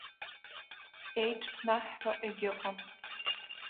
Еиҽԥнаҳҳәо егьыҟам.